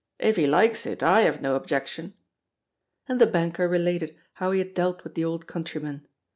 if he likes it, I have no objection." And the banker related how he had dealt with the old countryman.